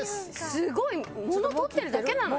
すごい物取ってるだけなのに？